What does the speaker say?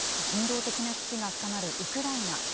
人道的な危機が深まるウクライナ。